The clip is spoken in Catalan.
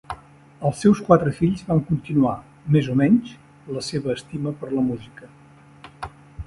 Els seus quatre fills van continuar, més o menys, la seva estima per la música.